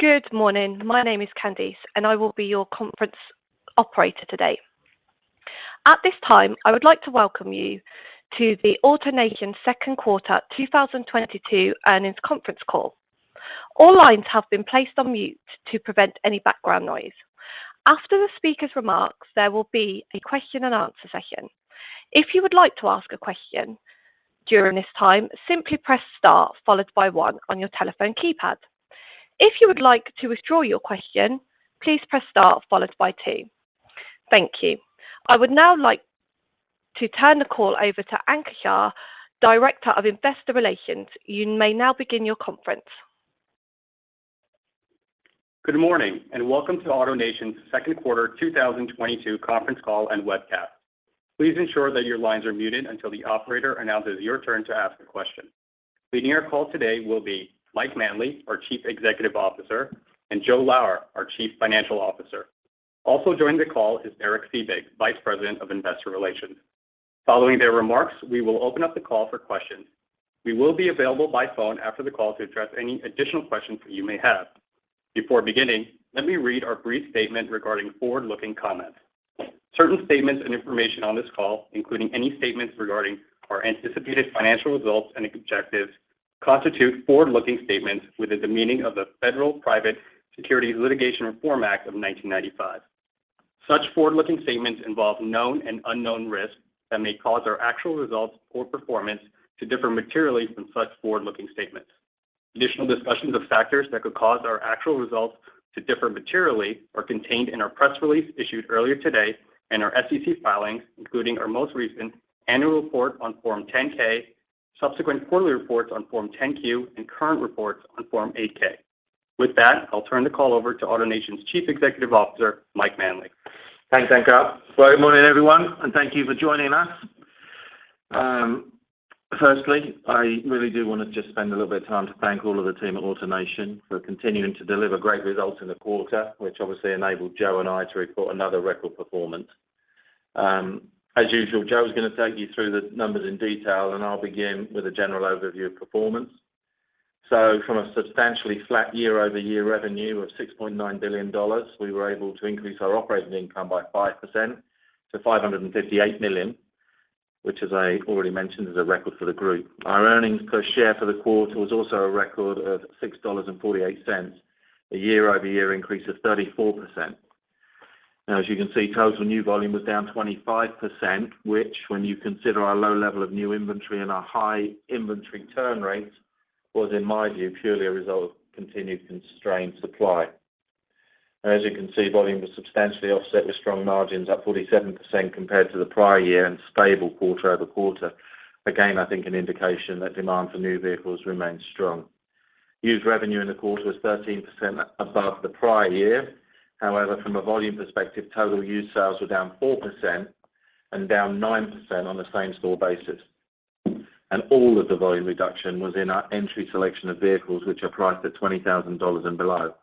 Good morning. My name is Candice, and I will be your conference operator today. At this time, I would like to welcome you to the AutoNation Second Quarter 2022 Earnings Conference Call. All lines have been placed on mute to prevent any background noise. After the speaker's remarks, there will be a question-and-answer session. If you would like to ask a question during this time, simply press star followed by one on your telephone keypad. If you would like to withdraw your question, please press star followed by two. Thank you. I would now like to turn the call over to Ankur Shah, Director of Investor Relations. You may now begin your conference. Good morning and welcome to AutoNation's Second Quarter 2022 conference call and webcast. Please ensure that your lines are muted until the operator announces your turn to ask a question. Leading your call today will be Mike Manley, our Chief Executive Officer, and Joe Lower, our Chief Financial Officer. Also joining the call is Derek Fiebig, Vice President of Investor Relations. Following their remarks, we will open up the call for questions. We will be available by phone after the call to address any additional questions you may have. Before beginning, let me read our brief statement regarding forward-looking comments. Certain statements and information on this call, including any statements regarding our anticipated financial results and objectives, constitute forward-looking statements within the meaning of the Private Securities Litigation Reform Act of 1995. Such forward-looking statements involve known and unknown risks that may cause our actual results or performance to differ materially from such forward-looking statements. Additional discussions of factors that could cause our actual results to differ materially are contained in our press release issued earlier today and our SEC filings, including our most recent annual report on Form 10-K, subsequent quarterly reports on Form 10-Q, and current reports on Form 8-K. With that, I'll turn the call over to AutoNation's Chief Executive Officer, Mike Manley. Thanks, Ankur. Well, good morning, everyone, and thank you for joining us. Firstly, I really do wanna just spend a little bit of time to thank all of the team at AutoNation for continuing to deliver great results in the quarter, which obviously enabled Joe and I to report another record performance. As usual, Joe is gonna take you through the numbers in detail, and I'll begin with a general overview of performance. From a substantially flat year-over-year revenue of $6.9 billion, we were able to increase our operating income by 5% to $558 million, which as I already mentioned, is a record for the group. Our earnings per share for the quarter was also a record of $6.48, a year-over-year increase of 34%. Now as you can see, total new volume was down 25%, which when you consider our low level of new inventory and our high inventory turn rates, was, in my view, purely a result of continued constrained supply. As you can see, volume was substantially offset with strong margins up 47% compared to the prior year and stable quarter-over-quarter. Again, I think an indication that demand for new vehicles remains strong. Used revenue in the quarter was 13% above the prior year. However, from a volume perspective, total used sales were down 4% and down 9% on the same store basis. All of the volume reduction was in our entry selection of vehicles, which are priced at $20,000 and below.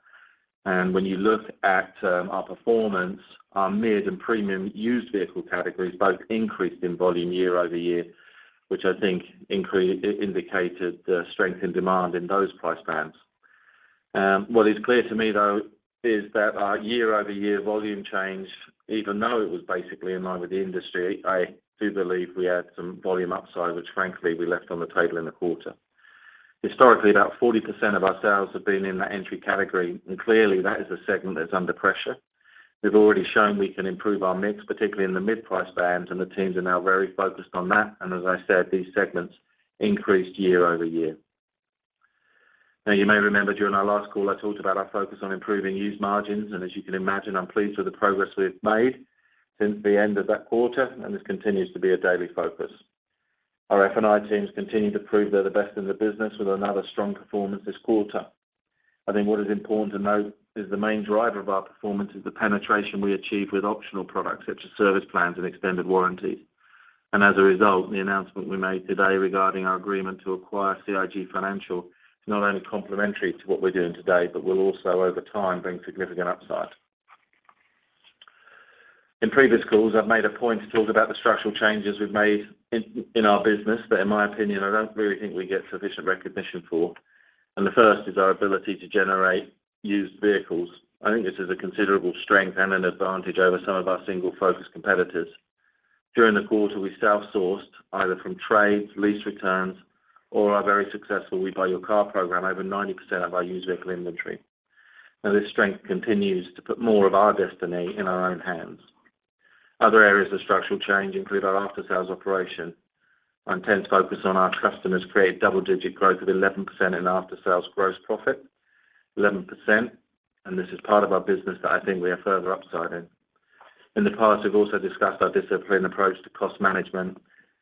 When you look at our performance, our mid and premium used vehicle categories both increased in volume year-over-year, which I think indicated the strength in demand in those price bands. What is clear to me though is that our year-over-year volume change, even though it was basically in line with the industry, I do believe we had some volume upside, which frankly, we left on the table in the quarter. Historically, about 40% of our sales have been in that entry category, and clearly that is a segment that's under pressure. We've already shown we can improve our mix, particularly in the mid price bands, and the teams are now very focused on that. As I said, these segments increased year-over-year. Now you may remember during our last call, I talked about our focus on improving used margins, and as you can imagine, I'm pleased with the progress we've made since the end of that quarter, and this continues to be a daily focus. Our F&I teams continue to prove they're the best in the business with another strong performance this quarter. I think what is important to note is the main driver of our performance is the penetration we achieve with optional products such as service plans and extended warranties. As a result, the announcement we made today regarding our agreement to acquire CIG Financial is not only complementary to what we're doing today, but will also over time bring significant upside. In previous calls, I've made a point to talk about the structural changes we've made in our business that in my opinion, I don't really think we get sufficient recognition for. The first is our ability to generate used vehicles. I think this is a considerable strength and an advantage over some of our single-focus competitors. During the quarter, we self-sourced either from trades, lease returns, or our very successful We Buy Your Car program, over 90% of our used vehicle inventory. Now this strength continues to put more of our destiny in our own hands. Other areas of structural change include our after-sales operation. Our intense focus on our customers created double-digit growth of 11% in after-sales gross profit, 11%. This is part of our business that I think we have further upside in. In the past, we've also discussed our disciplined approach to cost management,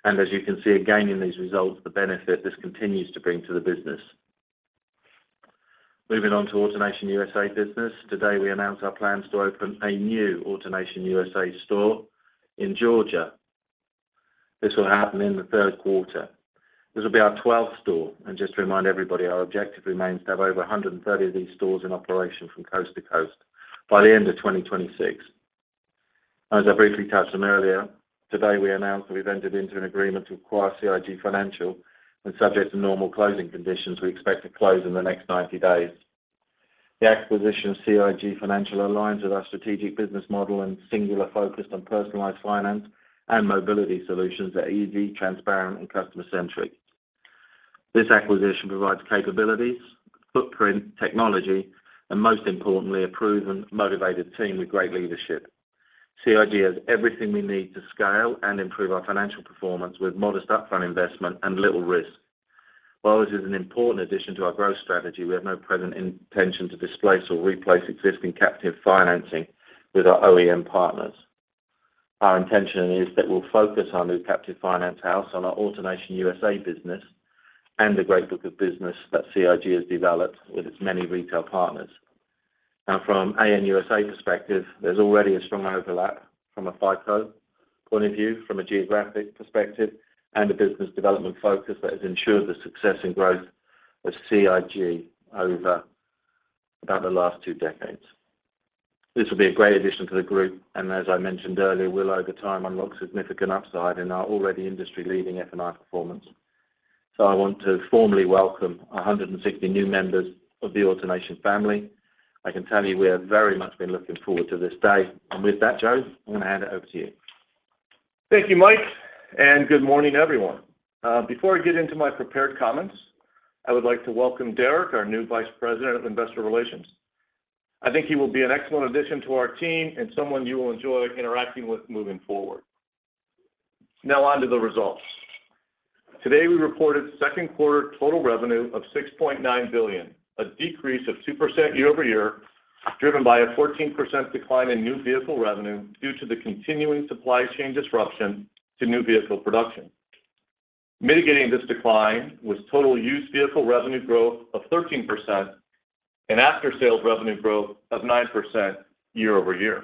and as you can see again in these results, the benefit this continues to bring to the business. Moving on to AutoNation USA business. Today, we announced our plans to open a new AutoNation USA store in Georgia. This will happen in the third quarter. This will be our 12th store. Just to remind everybody, our objective remains to have over 130 of these stores in operation from coast to coast by the end of 2026. As I briefly touched on earlier, today we announced that we've entered into an agreement to acquire CIG Financial, and subject to normal closing conditions we expect to close in the next 90 days. The acquisition of CIG Financial aligns with our strategic business model and singular focus on personalized finance and mobility solutions that are easy, transparent, and customer-centric. This acquisition provides capabilities, footprint, technology, and most importantly, a proven motivated team with great leadership. CIG has everything we need to scale and improve our financial performance with modest upfront investment and little risk. While this is an important addition to our growth strategy, we have no present intention to displace or replace existing captive financing with our OEM partners. Our intention is that we'll focus our new captive finance house on our AutoNation USA business and the great book of business that CIG has developed with its many retail partners. Now from AN USA perspective, there's already a strong overlap from a FICO point of view, from a geographic perspective, and a business development focus that has ensured the success and growth of CIG over about the last two decades. This will be a great addition to the group, and as I mentioned earlier, will over time unlock significant upside in our already industry-leading F&I performance. I want to formally welcome 160 new members of the AutoNation family. I can tell you we have very much been looking forward to this day. With that, Joe, I'm gonna hand it over to you. Thank you, Mike, and good morning, everyone. Before I get into my prepared comments, I would like to welcome Derek, our new Vice President of Investor Relations. I think he will be an excellent addition to our team and someone you will enjoy interacting with moving forward. Now on to the results. Today, we reported second quarter total revenue of $6.9 billion, a decrease of 2% year-over-year, driven by a 14% decline in new vehicle revenue due to the continuing supply chain disruption to new vehicle production. Mitigating this decline was total used vehicle revenue growth of 13% and after-sales revenue growth of 9% year-over-year.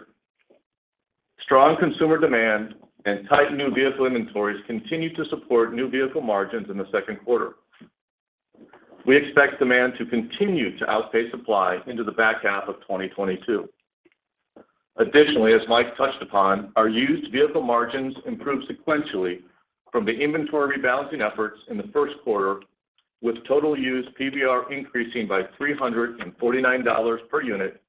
Strong consumer demand and tight new vehicle inventories continued to support new vehicle margins in the second quarter. We expect demand to continue to outpace supply into the back half of 2022. Additionally, as Mike touched upon, our used vehicle margins improved sequentially from the inventory rebalancing efforts in the first quarter, with total used PBR increasing by $349 per unit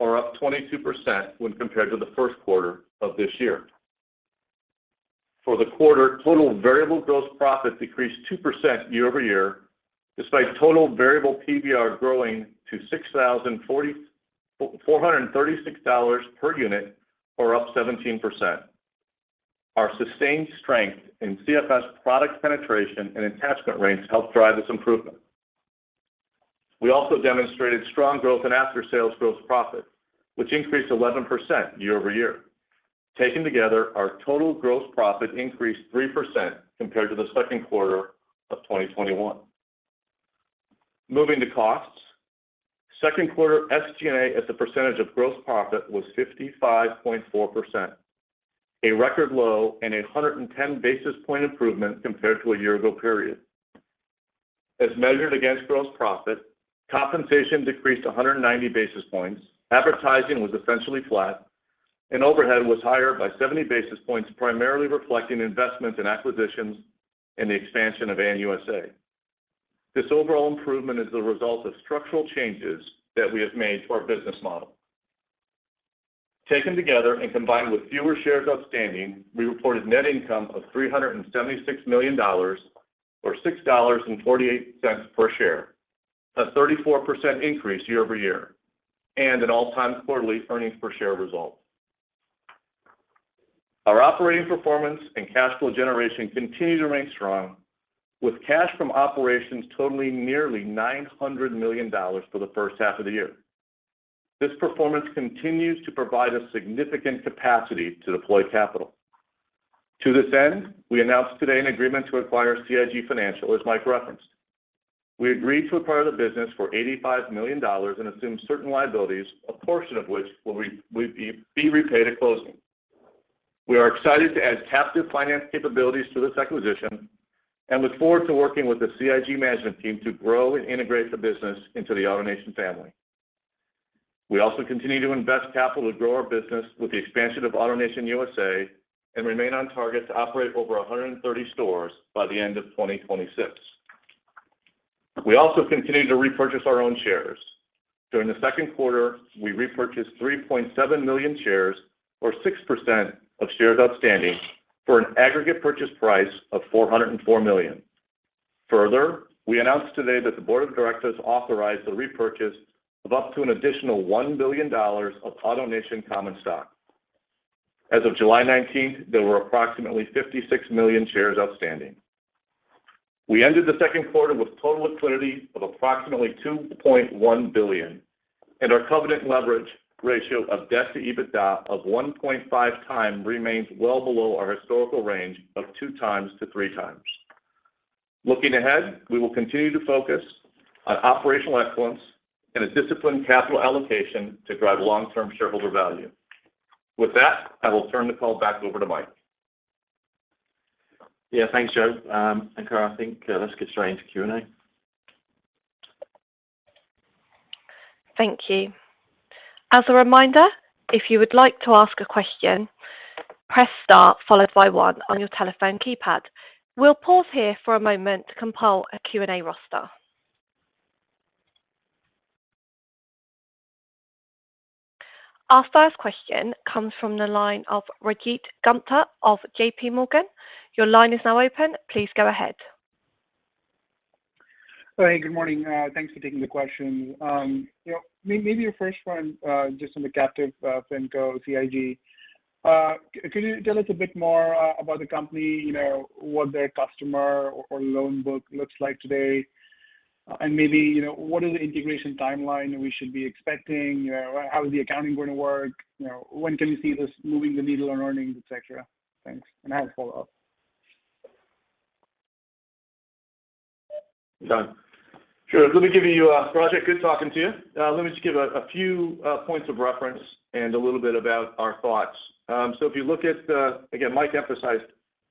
or up 22% when compared to the first quarter of this year. For the quarter, total variable gross profit decreased 2% year-over-year, despite total variable PBR growing to $6,436 per unit or up 17%. Our sustained strength in CFS product penetration and attachment rates helped drive this improvement. We also demonstrated strong growth in after-sales gross profit, which increased 11% year-over-year. Taken together, our total gross profit increased 3% compared to the second quarter of 2021. Moving to costs. Second quarter SG&A as a percentage of gross profit was 55.4%, a record low and a 110 basis point improvement compared to a year ago period. As measured against gross profit, compensation decreased a 190 basis points, advertising was essentially flat, and overhead was higher by 70 basis points, primarily reflecting investments in acquisitions and the expansion of AN USA. This overall improvement is the result of structural changes that we have made to our business model. Taken together and combined with fewer shares outstanding, we reported net income of $376 million or $6.48 per share, a 34% increase year over year and an all-time quarterly earnings per share result. Our operating performance and cash flow generation continue to remain strong with cash from operations totaling nearly $900 million for the first half of the year. This performance continues to provide a significant capacity to deploy capital. To this end, we announced today an agreement to acquire CIG Financial, as Mike referenced. We agreed to acquire the business for $85 million and assume certain liabilities, a portion of which will be repaid at closing. We are excited to add captive finance capabilities to this acquisition and look forward to working with the CIG management team to grow and integrate the business into the AutoNation family. We also continue to invest capital to grow our business with the expansion of AutoNation USA and remain on target to operate over 130 stores by the end of 2026. We also continue to repurchase our own shares. During the second quarter, we repurchased 3.7 million shares or 6% of shares outstanding for an aggregate purchase price of $404 million. Further, we announced today that the board of directors authorized the repurchase of up to an additional $1 billion of AutoNation common stock. As of July 19th, there were approximately 56 million shares outstanding. We ended the second quarter with total liquidity of approximately $2.1 billion, and our covenant leverage ratio of debt to EBITDA of 1.5x remains well below our historical range of 2x to 3x. Looking ahead, we will continue to focus on operational excellence and a disciplined capital allocation to drive long-term shareholder value. With that, I will turn the call back over to Mike. Yeah, thanks, Joe. I think, let's get straight into Q&A. Thank you. As a reminder, if you would like to ask a question, press star followed by one on your telephone keypad. We'll pause here for a moment to compile a Q&A roster. Our first question comes from the line of Rajat Gupta of J.P. Morgan. Your line is now open. Please go ahead. Hey, good morning. Thanks for taking the question. You know, maybe your first one, just on the captive, FinCo, CIG. Could you tell us a bit more about the company? You know, what their customer or loan book looks like today? And maybe, you know, what is the integration timeline we should be expecting? You know, how is the accounting gonna work? You know, when can you see this moving the needle on earnings, et cetera? Thanks. And I have a follow-up. Sure. Let me give you, Rajat, good talking to you. Let me just give a few points of reference and a little bit about our thoughts. If you look at. Again, Mike emphasized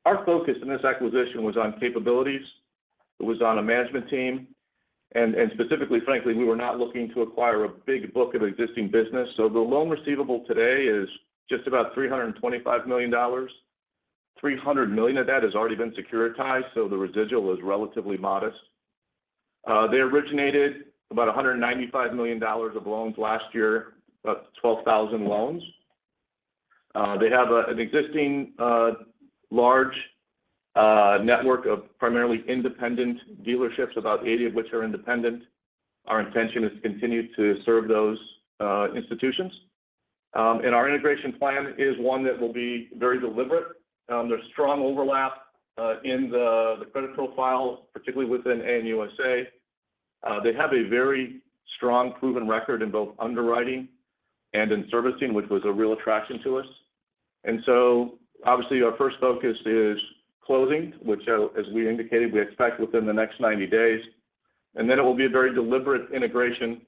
our focus in this acquisition was on capabilities. It was on a management team. Specifically, frankly, we were not looking to acquire a big book of existing business. The loan receivable today is just about $325 million. $300 million of that has already been securitized, so the residual is relatively modest. They originated about $195 million of loans last year, about 12,000 loans. They have an existing large network of primarily independent dealerships, about 80 of which are independent. Our intention is to continue to serve those institutions. Our integration plan is one that will be very deliberate. There's strong overlap in the credit profile, particularly within AN USA. They have a very strong proven record in both underwriting and in servicing, which was a real attraction to us. Obviously our first focus is closing, which, as we indicated, we expect within the next 90 days. It will be a very deliberate integration,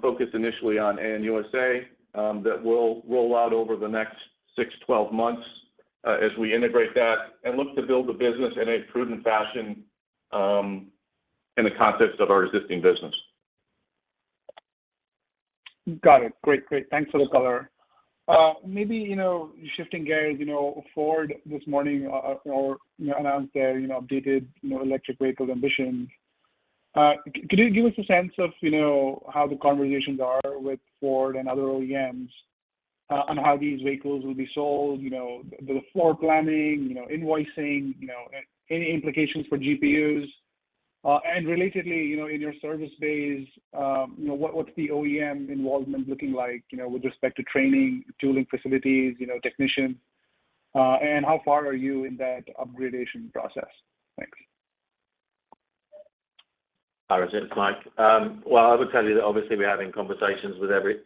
focused initially on AN USA, that we'll roll out over the next six to 12 months, as we integrate that and look to build the business in a prudent fashion, in the context of our existing business. Got it. Great. Thanks for the color. Maybe, you know, shifting gears, you know, Ford this morning, or, you know, announced their, you know, updated, you know, electric vehicle ambitions. Could you give us a sense of, you know, how the conversations are with Ford and other OEMs, on how these vehicles will be sold? You know, the floor planning, you know, invoicing, you know, any implications for GPUs. And relatedly, you know, in your service base, you know, what's the OEM involvement looking like, you know, with respect to training, tooling facilities, you know, technicians? And how far are you in that upgradation process? Thanks. Hi, Rajat. It's Mike. Well, I would tell you that obviously we're having conversations with every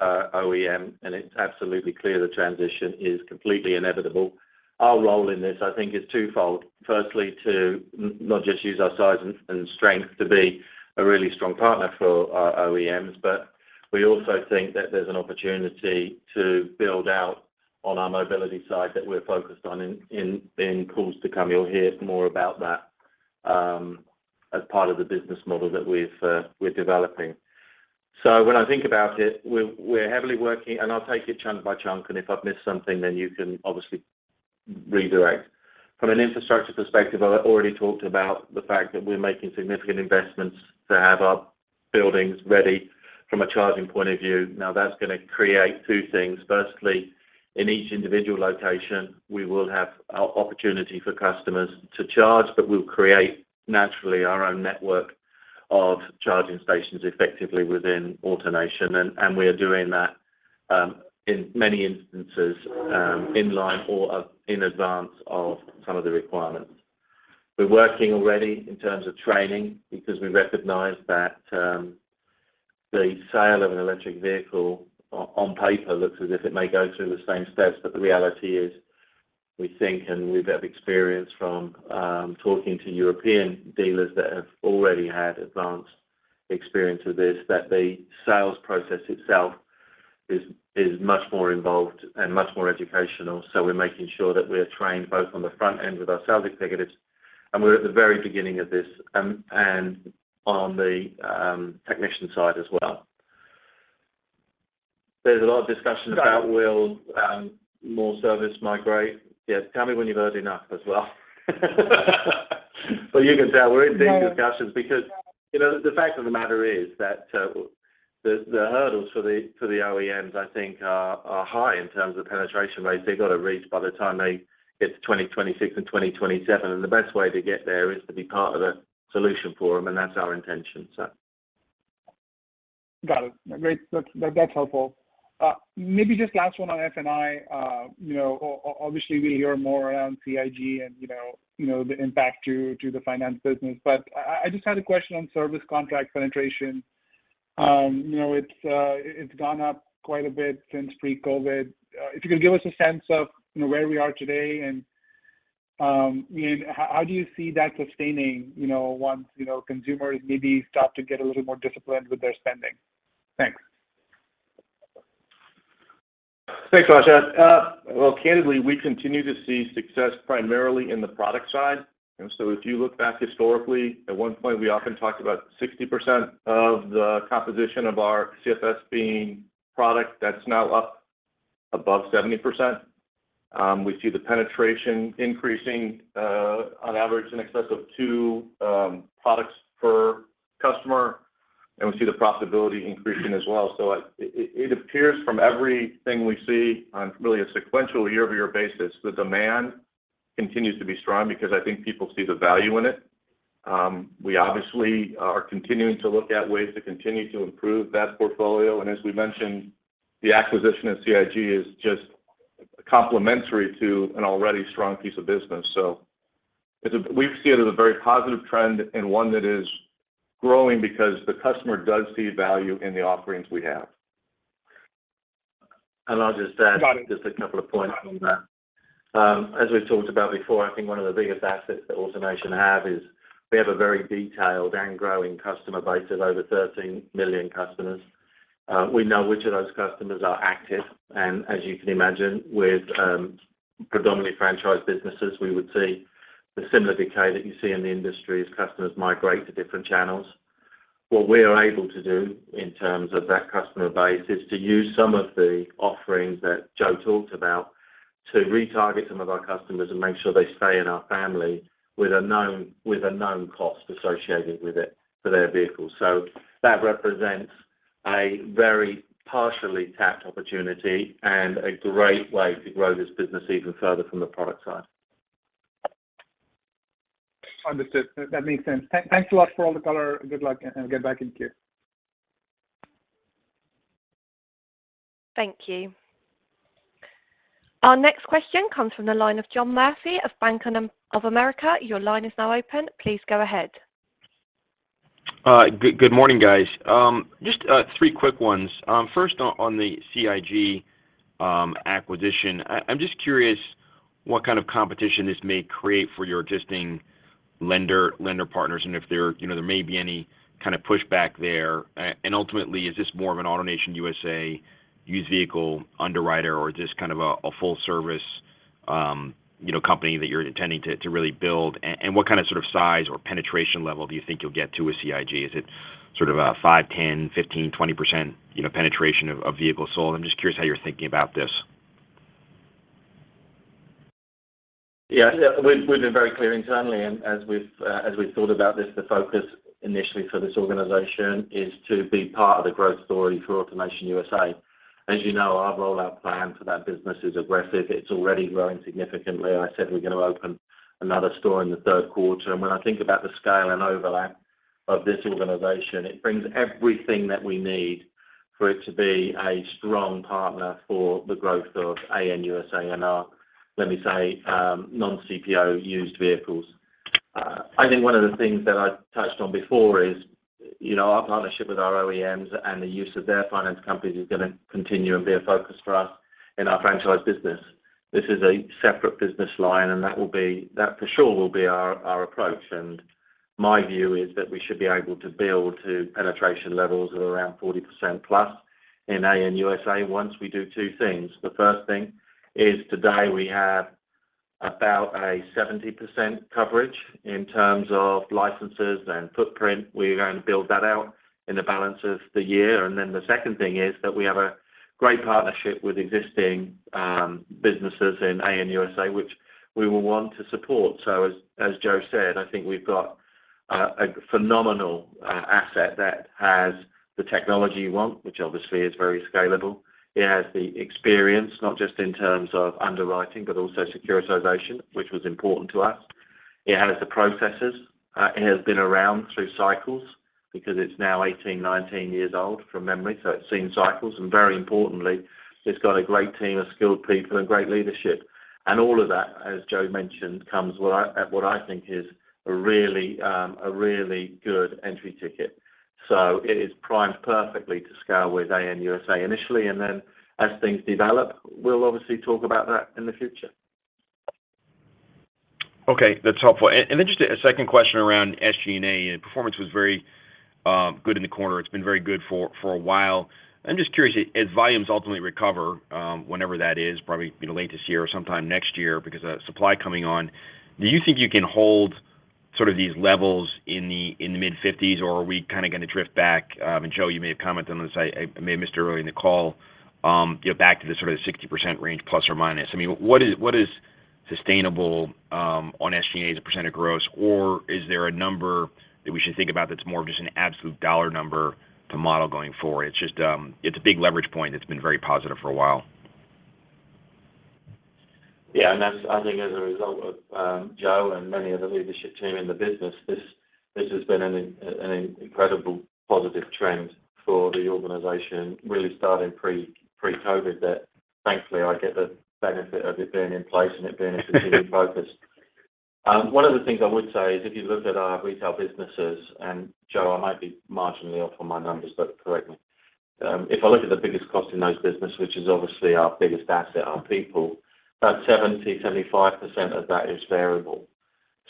OEM, and it's absolutely clear the transition is completely inevitable. Our role in this, I think, is twofold. Firstly, to not just use our size and strength to be a really strong partner for our OEMs, but we also think that there's an opportunity to build out on our mobility side that we're focused on in pools to come. You'll hear more about that, as part of the business model that we're developing. When I think about it, we're heavily working. I'll take it chunk by chunk, and if I've missed something, then you can obviously redirect. From an infrastructure perspective, I already talked about the fact that we are making significant investments to have our buildings ready from a charging point of view. Now, that's gonna create two things. Firstly, in each individual location, we will have opportunity for customers to charge, but we'll create naturally our own network of charging stations effectively within AutoNation. We are doing that in many instances in line or in advance of some of the requirements. We're working already in terms of training because we recognize that the sale of an electric vehicle on paper looks as if it may go through the same steps, but the reality is we think and we've had experience from talking to European dealers that have already had advanced experience with this, that the sales process itself is much more involved and much more educational. We're making sure that we are trained both on the front end with our sales executives, and we're at the very beginning of this. On the technician side as well. There's a lot of discussion about whether more service will migrate. Tell me when you've heard enough as well. You can tell we're in deep discussions because, you know, the fact of the matter is that the hurdles for the OEMs, I think are high in terms of penetration rates they've got to reach by the time they get to 2026 and 2027. The best way to get there is to be part of a solution for them, and that's our intention. Got it. Great. That's helpful. Maybe just last one on F&I. You know, obviously we hear more around CIG and, you know, the impact to the finance business. But I just had a question on service contract penetration. You know, it's gone up quite a bit since pre-COVID. If you could give us a sense of, you know, where we are today and, I mean, how do you see that sustaining, you know, once, you know, consumers maybe start to get a little more disciplined with their spending? Thanks. Thanks, Rajat. Well, candidly, we continue to see success primarily in the product side. If you look back historically, at one point, we often talked about 60% of the composition of our CFS being product that's now up above 70%. We see the penetration increasing, on average in excess of two products per customer, and we see the profitability increasing as well. It appears from everything we see on really a sequential year-over-year basis, the demand continues to be strong because I think people see the value in it. We obviously are continuing to look at ways to continue to improve that portfolio. As we mentioned, the acquisition of CIG is just complementary to an already strong piece of business. We see it as a very positive trend and one that is growing because the customer does see value in the offerings we have. I'll just add. Got it. Just a couple of points on that. As we've talked about before, I think one of the biggest assets that AutoNation have is we have a very detailed and growing customer base of over 13 million customers. We know which of those customers are active. As you can imagine, with predominantly franchised businesses, we would see the similar decay that you see in the industry as customers migrate to different channels. What we are able to do in terms of that customer base is to use some of the offerings that Joe talked about to retarget some of our customers and make sure they stay in our family with a known cost associated with it for their vehicle. That represents a very partially tapped opportunity and a great way to grow this business even further from the product side. Understood. That makes sense. Thanks a lot for all the color. Good luck, and get back in queue. Thank you. Our next question comes from the line of John Murphy of Bank of America. Your line is now open. Please go ahead. Good morning, guys. Just three quick ones. First on the CIG acquisition. I'm just curious what kind of competition this may create for your existing lender partners, and if there, you know, there may be any kind of pushback there. Ultimately, is this more of an AutoNation USA used vehicle underwriter or just kind of a full service, you know, company that you're intending to really build? What kind of size or penetration level do you think you'll get to with CIG? Is it sort of a five, 10, 15, 20% penetration of vehicles sold? I'm just curious how you're thinking about this. Yeah. We've been very clear internally, and as we've thought about this, the focus initially for this organization is to be part of the growth story for AutoNation USA. As you know, our rollout plan for that business is aggressive. It's already growing significantly. I said we're gonna open another store in the third quarter. When I think about the scale and overlap of this organization, it brings everything that we need for it to be a strong partner for the growth of AN USA and our, let me say, non-CPO used vehicles. I think one of the things that I touched on before is, you know, our partnership with our OEMs and the use of their finance companies is gonna continue and be a focus for us in our franchise business. This is a separate business line, and that for sure will be our approach. My view is that we should be able to build to penetration levels of around 40% plus in AN USA once we do two things. The first thing is today we have about a 70% coverage in terms of licenses and footprint. We're going to build that out in the balance of the year. The second thing is that we have a great partnership with existing businesses in AN USA, which we will want to support. As Joe said, I think we've got a phenomenal asset that has the technology you want, which obviously is very scalable. It has the experience, not just in terms of underwriting, but also securitization, which was important to us. It has the processes. It has been around through cycles because it's now 18, 19 years old from memory, so it's seen cycles. Very importantly, it's got a great team of skilled people and great leadership. All of that, as Joe mentioned, comes at what I think is a really, a really good entry ticket. It is primed perfectly to scale with AN USA initially, and then as things develop, we'll obviously talk about that in the future. Okay, that's helpful. Then just a second question around SG&A. Performance was very good in the quarter. It's been very good for a while. I'm just curious, as volumes ultimately recover, whenever that is, probably you know late this year or sometime next year because of supply coming on, do you think you can hold sort of these levels in the mid-50s, or are we kinda gonna drift back? And Joe, you may have commented on this. I may have missed it early in the call. You know, back to the sort of the 60% range plus or minus. I mean, what is sustainable on SG&A as a % of gross? Or is there a number that we should think about that's more of just an absolute dollar number to model going forward? It's just, it's a big leverage point that's been very positive for a while. Yeah. That's, I think as a result of Joe and many of the leadership team in the business, this has been an incredible positive trend for the organization, really starting pre-COVID, that thankfully I get the benefit of it being in place and it being a continued focus. One of the things I would say is if you looked at our retail businesses, and Joe, I might be marginally off on my numbers, but correct me. If I look at the biggest cost in those businesses, which is obviously our biggest asset, our people, about 75% of that is variable.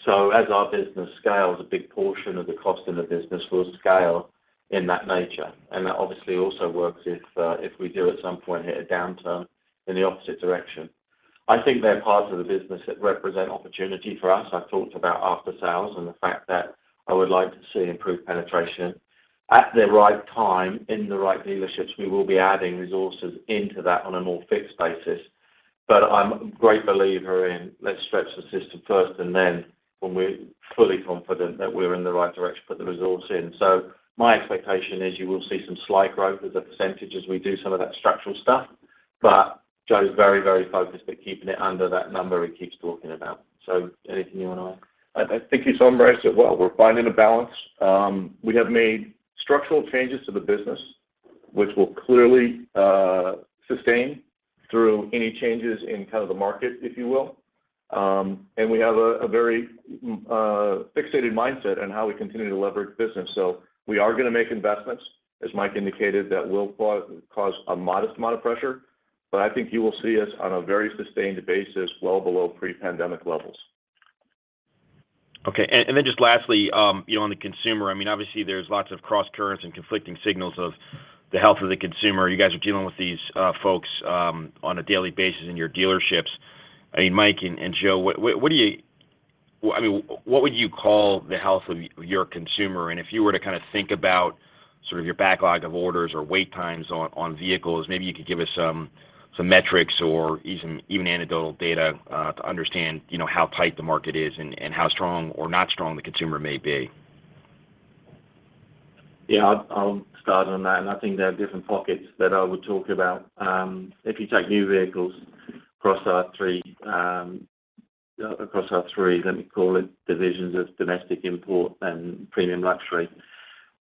So as our business scales, a big portion of the cost in the business will scale in that nature. That obviously also works if we do at some point hit a downturn in the opposite direction. I think there are parts of the business that represent opportunity for us. I've talked about after-sales and the fact that I would like to see improved penetration. At the right time in the right dealerships, we will be adding resources into that on a more fixed basis. I'm a great believer in let's stretch the system first and then when we're fully confident that we're in the right direction, put the resource in. My expectation is you will see some slight growth as a percentage as we do some of that structural stuff. Joe is very, very focused at keeping it under that number he keeps talking about. Anything you wanna add? I think you summarized it well. We're finding a balance. We have made structural changes to the business, which will clearly sustain through any changes in kind of the market, if you will. We have a very fixated mindset on how we continue to leverage business. We are gonna make investments, as Mike indicated, that will cause a modest amount of pressure. I think you will see us on a very sustained basis, well below pre-pandemic levels. Okay. Just lastly, you know, on the consumer, I mean, obviously there's lots of cross currents and conflicting signals of the health of the consumer. You guys are dealing with these folks on a daily basis in your dealerships. I mean, Mike and Joe, what would you call the health of your consumer? If you were to kinda think about sort of your backlog of orders or wait times on vehicles, maybe you could give us some metrics or even anecdotal data to understand, you know, how tight the market is and how strong or not strong the consumer may be. Yeah, I'll start on that. I think there are different pockets that I would talk about. If you take new vehicles across our three, let me call it divisions of domestic import and premium luxury,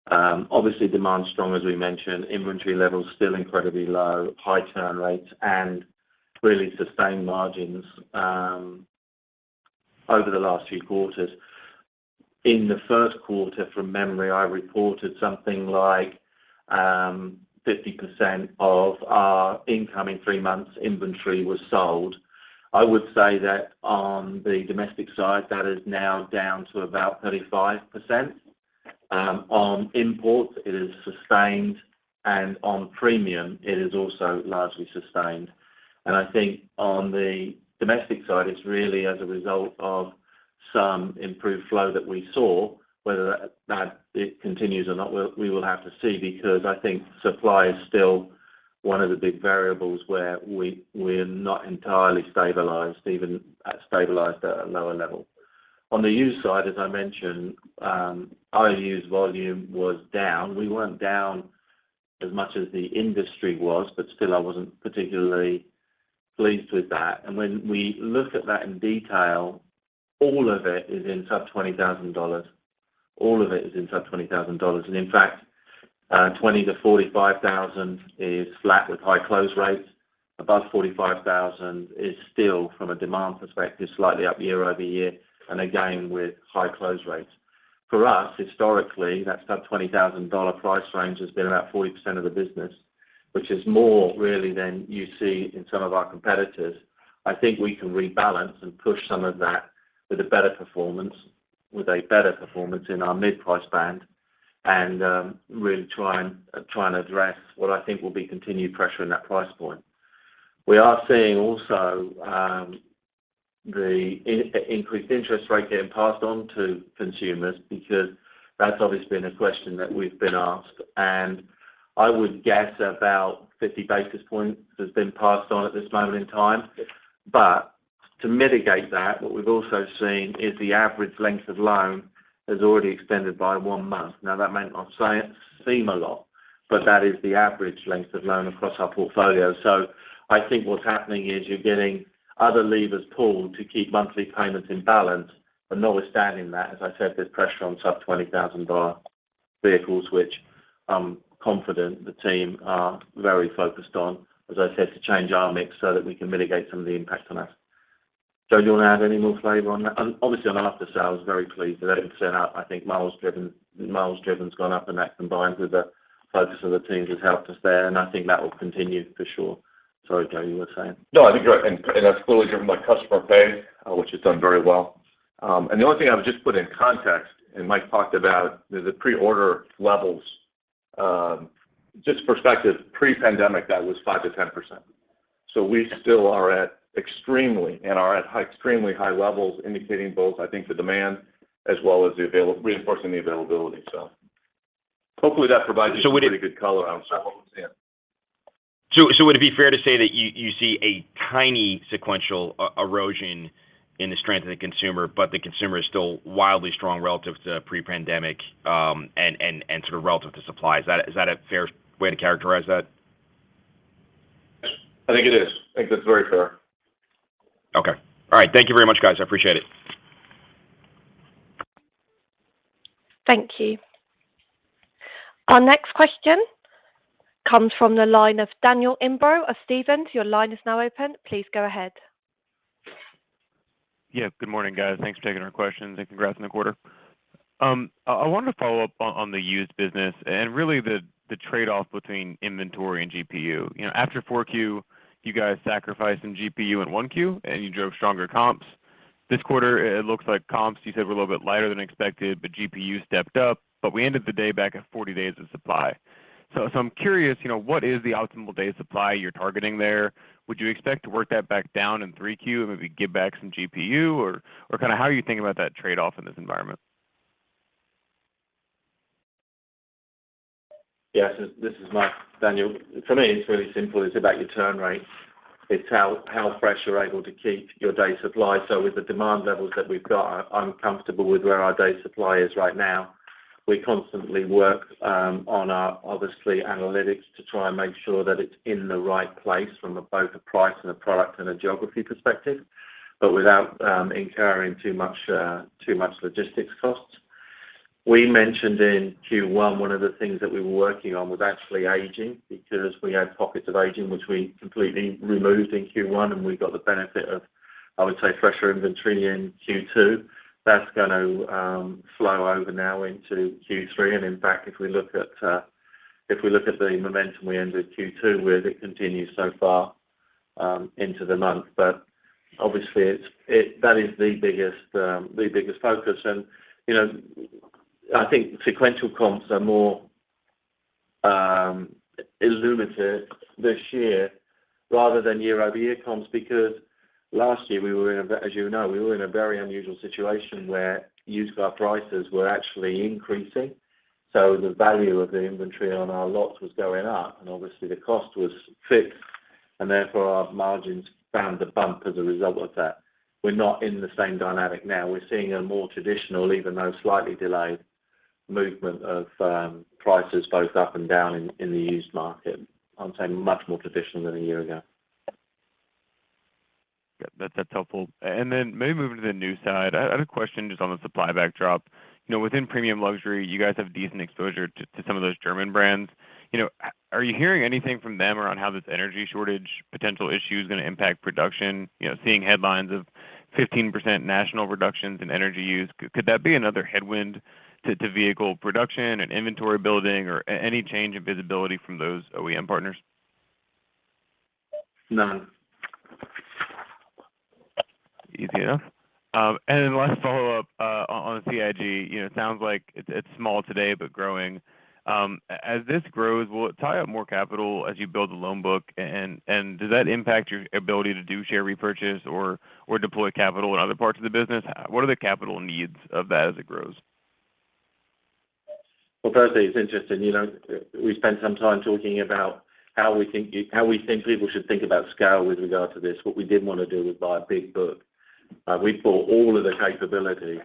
obviously demand strong, as we mentioned, inventory levels still incredibly low, high turn rates, and really sustained margins over the last few quarters. In the first quarter, from memory, I reported something like 50% of our incoming three months inventory was sold. I would say that on the domestic side, that is now down to about 35%. On imports, it is sustained, and on premium, it is also largely sustained. I think on the domestic side, it's really as a result of some improved flow that we saw, whether that continues or not, we will have to see, because I think supply is still one of the big variables where we're not entirely stabilized, even stabilized at a lower level. On the used side, as I mentioned, our used volume was down. We weren't down as much as the industry was, but still I wasn't particularly pleased with that. When we look at that in detail, all of it is in sub-$20,000. In fact, $20,000-$45,000 is flat with high close rates. Above $45,000 is still from a demand perspective, slightly up year over year, and again, with high close rates. For us, historically, that sub-$20,000 price range has been about 40% of the business, which is more really than you see in some of our competitors. I think we can rebalance and push some of that with a better performance in our mid-price band and really try and address what I think will be continued pressure in that price point. We are seeing also the increased interest rate getting passed on to consumers because that's obviously been a question that we've been asked. I would guess about 50 basis points has been passed on at this moment in time. To mitigate that, what we've also seen is the average length of loan has already extended by 1 month. Now, that may not seem a lot, but that is the average length of loan across our portfolio. I think what's happening is you're getting other levers pulled to keep monthly payments in balance. Notwithstanding that, as I said, there's pressure on sub-$20,000 vehicles, which I'm confident the team are very focused on, as I said, to change our mix so that we can mitigate some of the impact on us. Joe, do you want to add any more flavor on that? Obviously, on after-sales, very pleased with that. It's been up. I think miles driven has gone up, and that combined with the focus of the teams has helped us there. I think that will continue for sure. Sorry, Joe, you were saying. No, I think you're right. That's fully driven by customer pay, which has done very well. The only thing I would just put in context is Mike talked about the pre-owned levels, just perspective, pre-pandemic, that was 5%-10%. We still are at extremely high levels, indicating both, I think the demand as well as reinforcing the availability. Hopefully, that provides you pretty good color on some of what we're seeing. Would it be fair to say that you see a tiny sequential erosion in the strength of the consumer, but the consumer is still wildly strong relative to pre-pandemic, and sort of relative to supply? Is that a fair way to characterize that? I think it is. I think that's very fair. Okay. All right. Thank you very much, guys. I appreciate it. Thank you. Our next question comes from the line of Daniel Imbro of Stephens. Your line is now open. Please go ahead. Yeah, good morning, guys. Thanks for taking our questions and congrats on the quarter. I wanted to follow up on the used business and really the trade-off between inventory and GPU. You know, after Q4, you guys sacrificed some GPU in Q1, and you drove stronger comps. This quarter, it looks like comps, you said were a little bit lighter than expected, but GPU stepped up. But we ended the day back at 40 days of supply. So I'm curious, you know, what is the optimal day supply you're targeting there? Would you expect to work that back down in Q3, and maybe give back some GPU? Or kind of how are you thinking about that trade-off in this environment? Yes, this is Mike. Daniel, for me, it's really simple. It's about your turn rates. It's how fresh you're able to keep your day supply. With the demand levels that we've got, I'm comfortable with where our day supply is right now. We constantly work on our obviously analytics to try and make sure that it's in the right place from both a price and a product and a geography perspective, but without incurring too much logistics costs. We mentioned in Q1, one of the things that we were working on was actually aging because we had pockets of aging, which we completely removed in Q1, and we got the benefit of, I would say, fresher inventory in Q2. That's going to flow over now into Q3. If we look at the momentum we ended Q2 with, it continues so far into the month. But obviously that is the biggest focus. You know, I think sequential comps are more illuminated this year rather than year-over-year comps because last year we were in a very unusual situation, as you know, where used car prices were actually increasing. So the value of the inventory on our lots was going up and obviously the cost was fixed and therefore our margins found a bump as a result of that. We're not in the same dynamic now. We're seeing a more traditional, even though slightly delayed, movement of prices both up and down in the used market. I would say much more traditional than a year ago. Yeah, that's helpful. Then maybe moving to the new side. I have a question just on the supply backdrop. You know, within premium luxury, you guys have decent exposure to some of those German brands. You know, are you hearing anything from them around how this energy shortage potential issue is gonna impact production? You know, seeing headlines of 15% national reductions in energy use. Could that be another headwind to vehicle production and inventory building or any change in visibility from those OEM partners? None. Easy enough. Last follow-up on CIG. You know, it sounds like it's small today, but growing. As this grows, will it tie up more capital as you build the loan book? Does that impact your ability to do share repurchase or deploy capital in other parts of the business? What are the capital needs of that as it grows? Well, firstly, it's interesting. You know, we spent some time talking about how we think people should think about scale with regard to this. What we didn't want to do was buy a big book. We bought all of the capability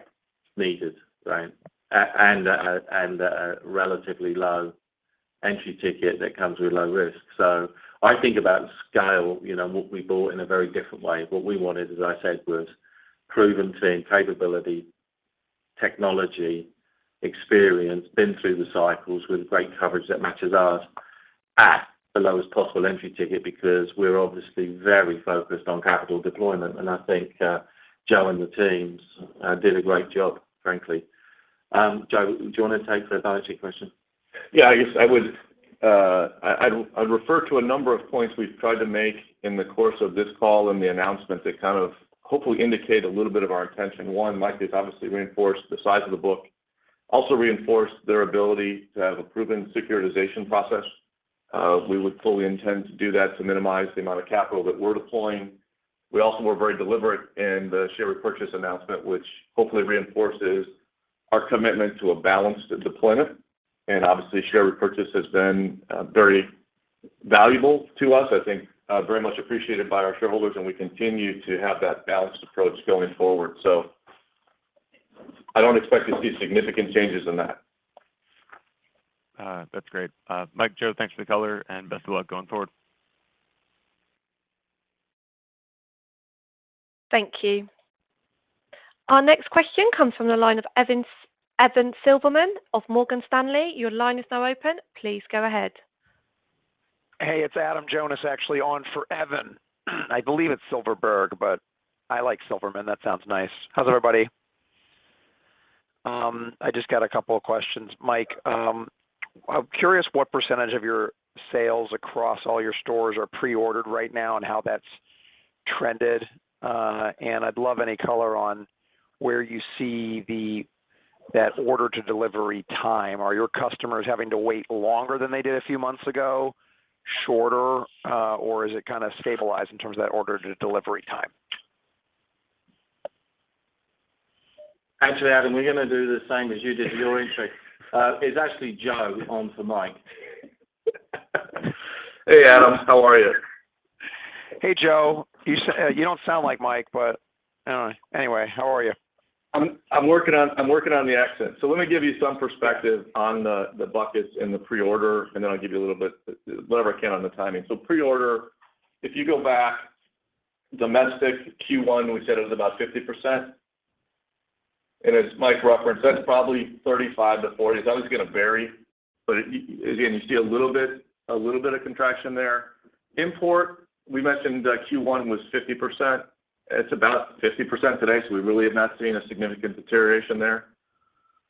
needed, right? And a relatively low entry ticket that comes with low risk. I think about scale, you know, what we bought in a very different way. What we wanted, as I said, was proven team capability, technology, experience, been through the cycles with great coverage that matches ours at the lowest possible entry ticket because we're obviously very focused on capital deployment. I think Joe and the teams did a great job, frankly. Joe, do you want to take the balance sheet question? Yeah, I guess I would, I'd refer to a number of points we've tried to make in the course of this call and the announcement that kind of hopefully indicate a little bit of our intention. One, Mike has obviously reinforced the size of the book, also reinforced their ability to have a proven securitization process. We would fully intend to do that to minimize the amount of capital that we're deploying. We also were very deliberate in the share repurchase announcement, which hopefully reinforces our commitment to a balanced deployment. Obviously, share repurchase has been very valuable to us. I think very much appreciated by our shareholders, and we continue to have that balanced approach going forward. I don't expect to see significant changes in that. That's great. Mike, Joe, thanks for the color and best of luck going forward. Thank you. Our next question comes from the line of Evan Silverman of Morgan Stanley. Your line is now open. Please go ahead. Hey, it's Adam Jonas actually on for Evan. I believe it's Silverman, but I like Silverman. That sounds nice. How's everybody? I just got a couple of questions. Mike, I'm curious what percentage of your sales across all your stores are pre-ordered right now and how that's trended. I'd love any color on where you see that order to delivery time. Are your customers having to wait longer than they did a few months ago, shorter, or is it kind of stabilized in terms of that order to delivery time? Actually, Adam, we're gonna do the same as you did your intro. It's actually Joe on for Mike. Hey, Adam. How are you? Hey, Joe. You don't sound like Mike, but anyway, how are you? I'm working on the accent. Let me give you some perspective on the buckets and the pre-owned, and then I'll give you a little bit, whatever I can on the timing. Pre-owned, if you go back domestic Q1, we said it was about 50%. As Mike referenced, that's probably 35%-40%. That one's gonna vary, but again, you see a little bit of contraction there. Import, we mentioned Q1 was 50%. It's about 50% today, so we really have not seen a significant deterioration there.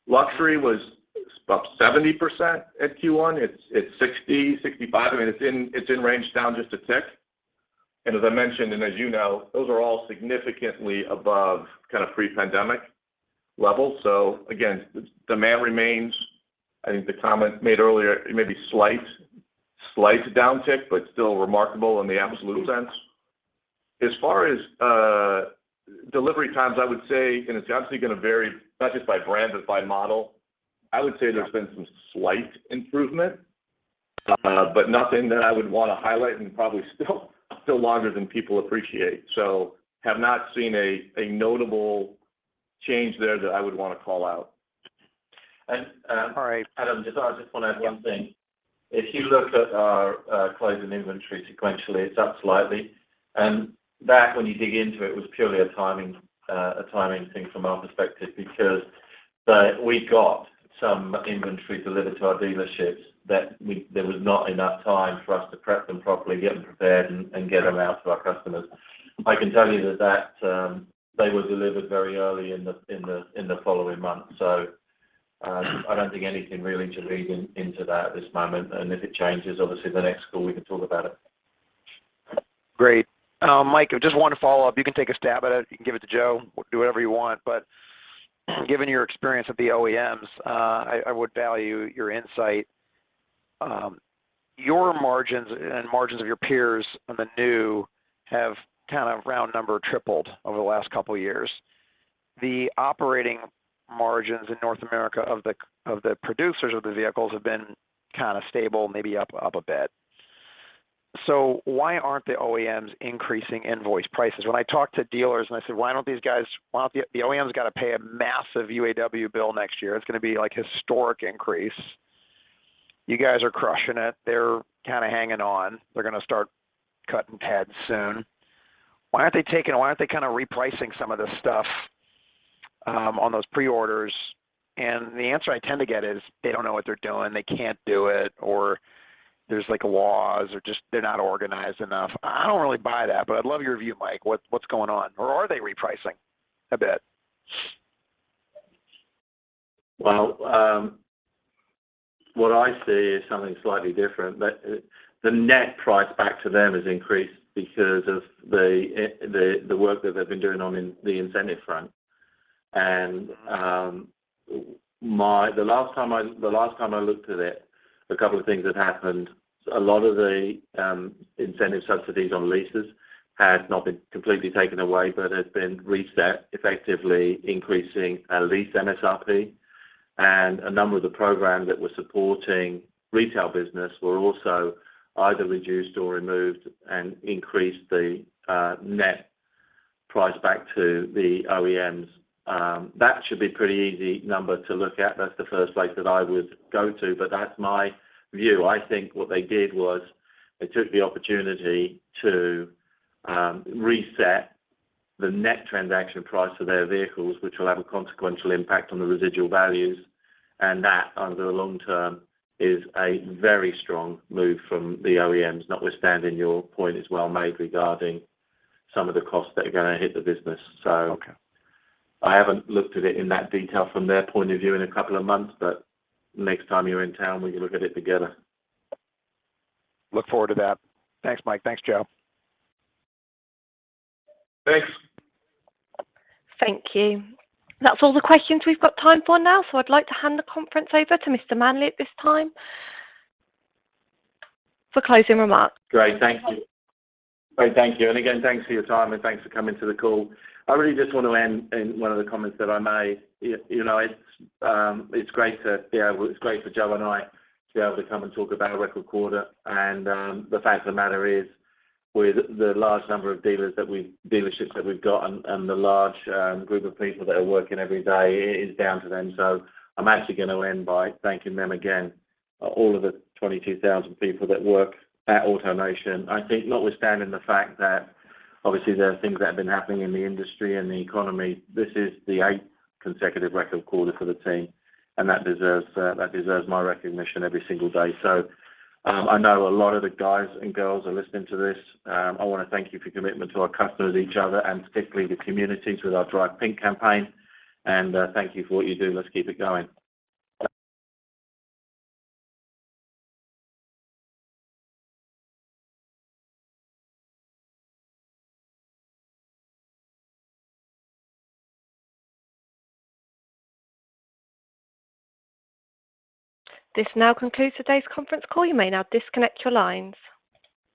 Luxury was about 70% at Q1. It's 60%-65%. I mean, it's in range down just a tick. As I mentioned and as you know, those are all significantly above kind of pre-pandemic levels. Again, demand remains. I think the comment made earlier, it may be slight downtick, but still remarkable in the absolute sense. As far as delivery times, I would say, and it's obviously gonna vary not just by brand but by model. I would say there's been some slight improvement, but nothing that I would wanna highlight and probably still longer than people appreciate. Have not seen a notable change there that I would wanna call out. And, um- All right. Adam, I just wanna add one thing. Yeah. If you look at our closing inventory sequentially, it's up slightly. That, when you dig into it, was purely a timing thing from our perspective because we got some inventory delivered to our dealerships. There was not enough time for us to prep them properly, get them prepared, and get them out to our customers. I can tell you that they were delivered very early in the following month. I don't think anything really to read into that at this moment. If it changes, obviously the next call we can talk about it. Great. Mike, just one follow-up. You can take a stab at it. You can give it to Joe, do whatever you want. Given your experience at the OEMs, I would value your insight. Your margins and margins of your peers on the new have kind of round number tripled over the last couple years. The operating margins in North America of the producers of the vehicles have been kind of stable, maybe up a bit. Why aren't the OEMs increasing invoice prices? When I talk to dealers and I say, "Why don't these guys?" The OEMs gotta pay a massive UAW bill next year. It's gonna be, like, historic increase. You guys are crushing it. They're kinda hanging on. They're gonna start cutting heads soon. Why aren't they taking? Why aren't they kinda repricing some of this stuff on those pre-orders? The answer I tend to get is they don't know what they're doing, they can't do it, or there's, like, laws or just they're not organized enough. I don't really buy that, but I'd love your view, Mike. What's going on? Or are they repricing a bit? Well, what I see is something slightly different. The net price back to them has increased because of the work that they've been doing on the incentive front. The last time I looked at it, a couple of things had happened. A lot of the incentive subsidies on leases had not been completely taken away, but had been reset, effectively increasing a lease MSRP. A number of the programs that were supporting retail business were also either reduced or removed and increased the net price back to the OEMs. That should be pretty easy number to look at. That's the first place that I would go to, but that's my view. I think what they did was they took the opportunity to reset the net transaction price for their vehicles, which will have a consequential impact on the residual values. That, over the long term, is a very strong move from the OEMs, notwithstanding your point, as well made, regarding some of the costs that are gonna hit the business, so. Okay. I haven't looked at it in that detail from their point of view in a couple of months, but next time you're in town, we can look at it together. Look forward to that. Thanks, Mike. Thanks, Joe. Thanks. Thank you. That's all the questions we've got time for now, so I'd like to hand the conference over to Mr. Manley at this time for closing remarks. Great. Thank you. Again, thanks for your time, and thanks for coming to the call. I really just want to end in one of the comments that I made. You know, it's great for Joe and I to be able to come and talk about a record quarter. The fact of the matter is, with the large number of dealerships that we've got and the large group of people that are working every day, it is down to them. I'm actually gonna end by thanking them again, all of the 22,000 people that work at AutoNation. I think not with standing the fact that obviously there are things that have been happening in the industry and the economy, this is the eighth consecutive record quarter for the team, and that deserves my recognition every single day. I know a lot of the guys and girls are listening to this. I wanna thank you for your commitment to our customers, each other, and particularly the communities with our DRV PNK campaign. Thank you for what you do. Let's keep it going. This now concludes today's conference call. You may now disconnect your lines.